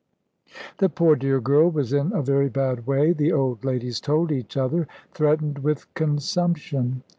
The poor dear girl was in a very bad way, the old ladies told each other, threatened with consumption.